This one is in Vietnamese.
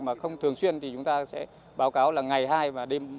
mà không thường xuyên thì chúng ta sẽ báo cáo là ngày hai và đêm hai